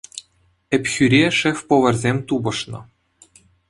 Ӗпхӳре шеф-поварсем тупӑшнӑ.